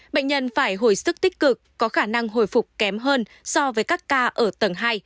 bệnh nhân phải hồi sức tích cực có khả năng hồi phục kém hơn so với các ca ở tầng hai